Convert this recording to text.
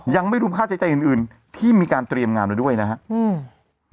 ยังไม่รู้ค่าใช้จ่ายอื่นอื่นที่มีการเตรียมงานแล้วด้วยนะครับ